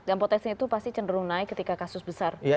dan potensi itu pasti cenderung naik ketika kasus besar sedang berubah